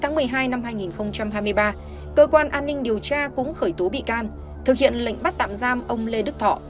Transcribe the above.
năm hai nghìn hai mươi ba cơ quan an ninh điều tra cũng khởi tố bị can thực hiện lệnh bắt tạm giam ông lê đức thọ